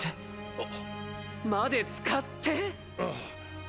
あ！まで使って⁉あ！